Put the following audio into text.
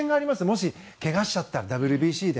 もし、けがしちゃったらＷＢＣで。